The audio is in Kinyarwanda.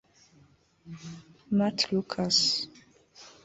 mat lucas